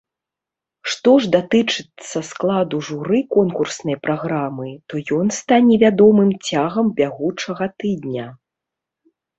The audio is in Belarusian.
Што ж датычыцца складу журы конкурснай праграмы, то ён стане вядомым цягам бягучага тыдня.